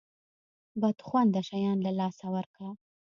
بد خونده شیان له لاسه ورکه.